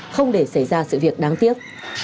không để xảy ra sự việc đáng tiếc